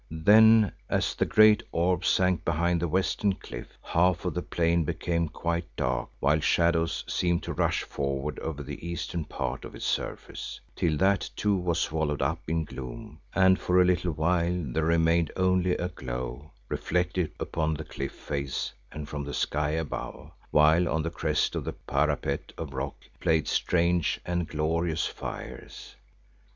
Then as the great orb sank behind the western cliff, half of the plain became quite dark while shadows seemed to rush forward over the eastern part of its surface, till that too was swallowed up in gloom and for a little while there remained only a glow reflected from the cliff face and from the sky above, while on the crest of the parapet of rock played strange and glorious fires.